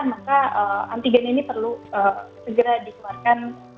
maka antigen ini perlu segera dikeluarkan